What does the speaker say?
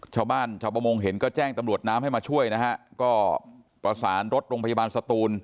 ชาวประมงเห็นก็แจ้งตำรวจน้ำให้มาช่วยนะฮะก็ประสานรถโรงพยาบาลสตูน